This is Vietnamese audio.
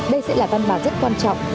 đây sẽ là văn bản rất quan trọng